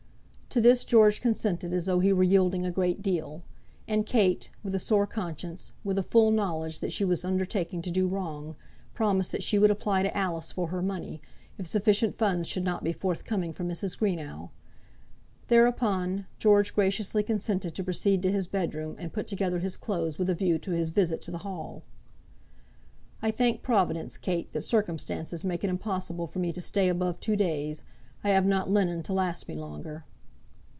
To this George consented as though he were yielding a great deal; and Kate, with a sore conscience, with a full knowledge that she was undertaking to do wrong, promised that she would apply to Alice for her money, if sufficient funds should not be forthcoming from Mrs. Greenow. Thereupon, George graciously consented to proceed to his bedroom, and put together his clothes with a view to his visit to the Hall. "I thank Providence, Kate, that circumstances make it impossible for me to stay above two days. I have not linen to last me longer."